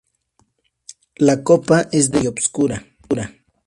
La copa es densa y obscura.